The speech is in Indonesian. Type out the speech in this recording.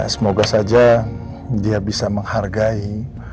semoga saja dia bisa menghargai